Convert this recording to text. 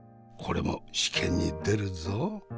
これも試験に出るぞ。